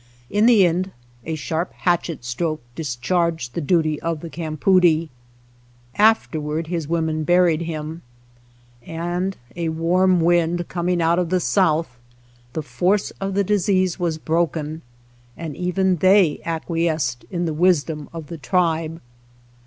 In the end a sharp hatchet stroke discharged the duty of the cam poodie. Afterward his women buried him, and a warm wind coming out of the south, the force of the disease was broken, and even they acquiesced in the wisdom of the tribe.